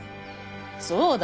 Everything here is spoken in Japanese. そうだ！